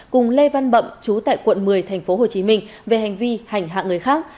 cùng lê văn bậm chú tại quận một mươi tp hcm về hành vi hành hạ người khác